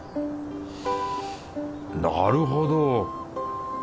なるほど。